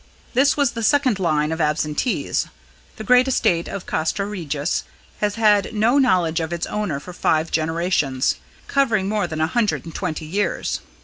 This was the second line of absentees. The great estate of Castra Regis has had no knowledge of its owner for five generations covering more than a hundred and twenty years.